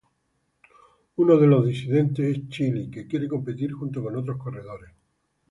Uno de los disidentes es Chili, que quiere competir, junto con otros corredores.